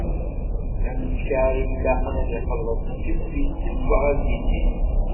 D ameskar i ilaqen ad ixelleṣ akken ad d-yessufeɣ adlis-is.